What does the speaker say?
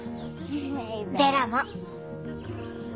ベラも。